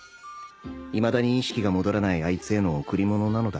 いまだに意識が戻らないあいつへの贈り物なのだ